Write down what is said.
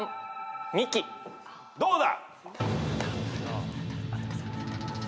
どうだ？